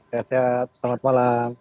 sehat sehat selamat malam